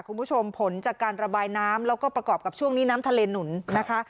คุณผู้ชมผลจากการระบายน้ำแล้วก็ประกอบกับช่วงนี้น้ำทะเลหนุนนะคะ